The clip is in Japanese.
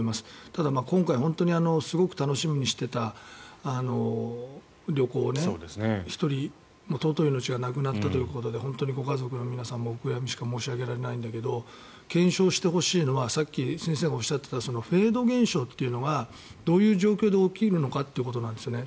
ただ、今回本当にすごく楽しみにしていた旅行で１人、尊い命がなくなったということで本当にご家族の皆さんにはお悔やみしか申し上げられないんだけど検証してほしいのはさっき、先生がおっしゃっていたフェード現象というのがどういう状況で起きるのかってことなんですよね。